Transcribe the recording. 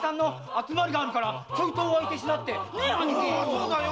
そうだよ。